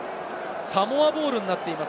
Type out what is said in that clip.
サモアボールになっています。